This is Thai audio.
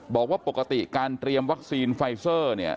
บอกว่าปกติการเตรียมวัคซีนไฟเซอร์เนี่ย